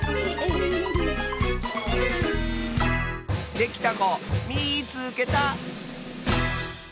できたこみいつけた！